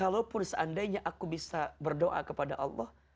kalaupun seandainya aku bisa berdoa kepada allah